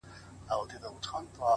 • له يوه كال راهيسي؛